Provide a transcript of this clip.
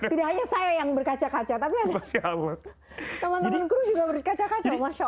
tidak hanya saya yang berkaca kaca tapi ada teman teman guru juga berkaca kaca